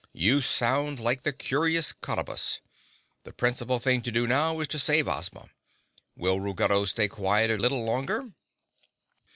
"You sound like the Curious Cottabus! The principal thing to do now is to save Ozma. Will Ruggedo stay quiet a little longer?"